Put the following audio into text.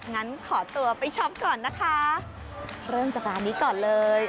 งั้นขอตัวไปช็อปก่อนนะคะเริ่มจากร้านนี้ก่อนเลย